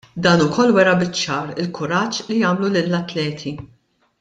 Dan ukoll wera biċ-ċar il-kuraġġ li għamlu lill-atleti.